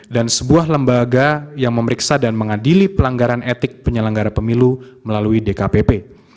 dan sebuah lembaga yang memeriksa dan mengadili pelanggaran etik penyelenggara pemilu melalui dkpp